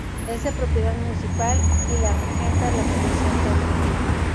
Es de propiedad municipal y la regenta la Comisión Taurina.